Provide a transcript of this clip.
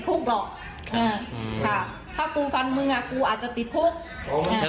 ตอนนี้ขอเอาผิดถึงที่สุดยืนยันแบบนี้